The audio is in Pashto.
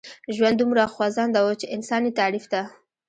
ژوند دومره خوځنده و چې انسان يې تعريف ته.